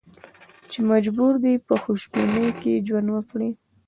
چې مجبور دي په خوشبینۍ کې ژوند وکړي.